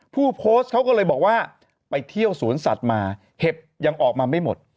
ผู้โพสต์เขาก็เลยบอกว่าไปเที่ยวสวนสัตว์มาเห็บยังออกมาไม่หมด